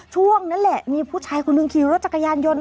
ช่วงนั้นแหละมีผู้ชายคนหนึ่งขี่รถจักรยานยนต์